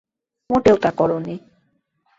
মোটেও তা করোনি।